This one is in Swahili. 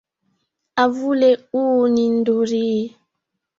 Havule huu ni ndhurii.